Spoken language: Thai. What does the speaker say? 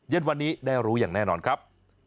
เย็นวันนี้ได้รู้อย่างแน่นอนครับ